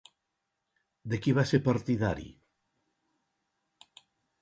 De qui va ser partidari?